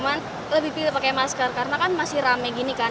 cuman lebih pilih pakai masker karena kan masih rame gini kan